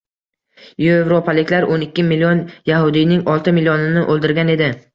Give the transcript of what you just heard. Yevropaliklar o'n ikki million yahudiyning olti millionini o‘ldirgan edi